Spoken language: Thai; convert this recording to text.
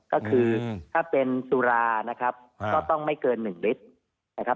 ก็คือถ้าเป็นสุราก็ต้องไม่เกิน๑ลิตร